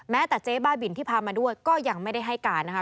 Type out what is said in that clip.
จากเจ๊บ้าบินที่พามาด้วยก็ยังไม่ได้ให้การนะคะ